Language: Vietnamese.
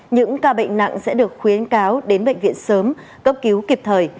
những ca bệnh nặng sẽ được khuyến cáo đến bệnh viện sớm cấp cứu kịp thời